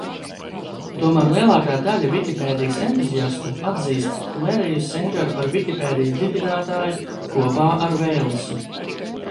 Tomēr lielākā daļa Vikipēdijas entuziastu atzīst Leriju Sendžeru par Vikipēdijas dibinātāju kopā ar Veilsu.